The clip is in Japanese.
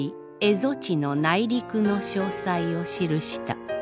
蝦夷地の内陸の詳細を記した。